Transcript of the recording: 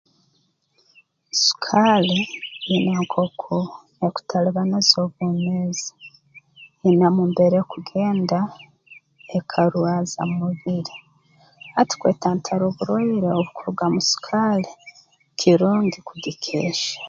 Sukaali ine nk'oku ekutalibaniza obwomeezi inemu mbere ekugenda ekarwaza mu mubiri hati kwetantara oburwaire obu kuruga mu sukaali kirungi kugikehya